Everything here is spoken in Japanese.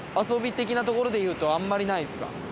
遊び的なところでいうとあんまりないんですか？